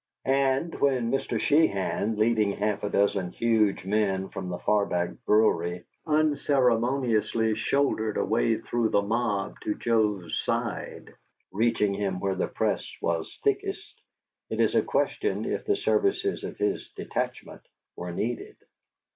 And when Mr. Sheehan, leading half a dozen huge men from the Farbach brewery, unceremoniously shouldered a way through the mob to Joe's side, reaching him where the press was thickest, it is a question if the services of his detachment were needed.